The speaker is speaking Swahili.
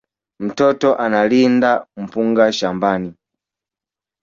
Mtoto analinda mpunga shambani